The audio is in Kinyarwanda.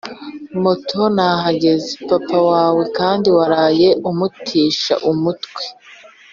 moto nahageze papa wawe kandi waraye umutesha umutwe